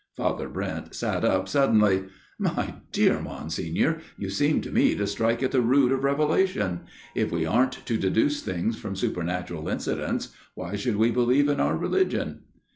Father Brent sat up suddenly. " My dear Monsignor, you seem to me to strike 8 A MIRROR OF SHALOTT at the root of revelation. If we aren't to deduce things from supernatural incidents, why should we believe in our religion